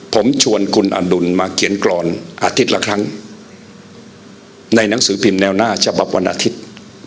ผมชวนคุณอดุลมาเขียนกรอนอาทิตย์ละครั้งในหนังสือพิมพ์แนวหน้าฉบับวันอาทิตย์